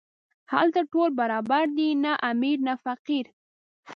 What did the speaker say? هلته ټول برابر دي، نه امیر نه فقیر.